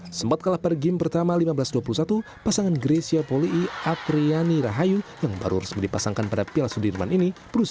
masih dari indonesia open pasangan ganda putri grecia poliyi apriyani rahayu lolos ke bawah ke enam belas besar indonesia open